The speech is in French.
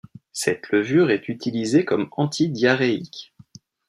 Cette levure est utilisée comme antidiarrhéique.